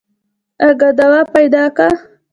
اگه دوا پيدا که.